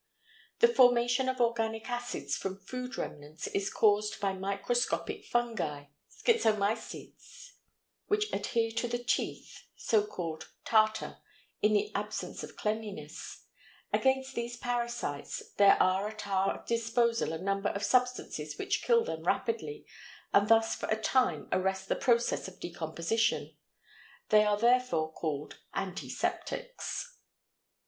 The formation of organic acids from food remnants is caused by microscopic fungi (schizomycetes) which adhere to the teeth (so called tartar) in the absence of cleanliness; against these parasites there are at our disposal a number of substances which kill them rapidly and thus for a time arrest the process of decomposition; they are therefore called antiseptics.